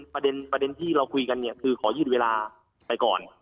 ประเด็นที่เราคุยกันเนี่ยคือขอยืดเวลาไปก่อน